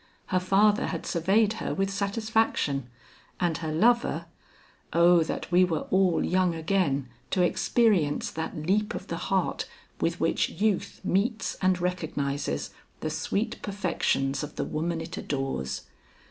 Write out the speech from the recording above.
Her father had surveyed her with satisfaction, and her lover oh, that we were all young again to experience that leap of the heart with which youth meets and recognizes the sweet perfections of the woman it adores!